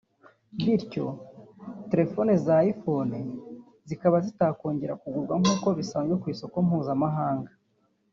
bityo telefoni za iPhone zikaba zitakongera kugurwa nkuko bisanzwe ku isoko mpuzamahanga